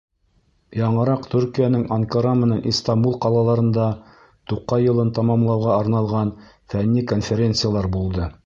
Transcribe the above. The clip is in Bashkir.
Яңыраҡ Төркиәнең Анкара менән Истанбул ҡалаларында Туҡай йылын тамамлауға арналған фәнни конференциялар булды.